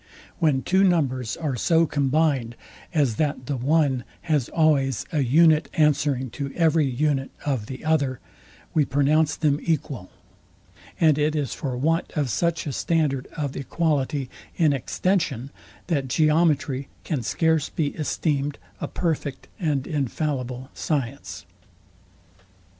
When two numbers are so combined, as that the one has always an unite answering to every unite of the other, we pronounce them equal; and it is for want of such a standard of equality in extension, that geometry can scarce be esteemed a perfect and infallible science.